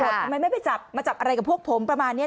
ทำไมไม่ไปจับมาจับอะไรกับพวกผมประมาณนี้